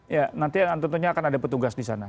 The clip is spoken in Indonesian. ya nanti tentunya akan ada petugas di sana